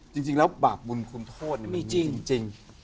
จริงแล้วบาปบุญคุณโทษมีจริง